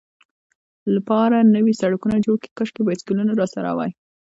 لپاره نوي سړکونه جوړ کړي، کاشکې بایسکلونه راسره وای.